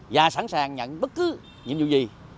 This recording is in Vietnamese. và sẵn sàng nhận bất cứ nhiệm vụ gì